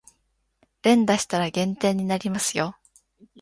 連打したら減点になりますよ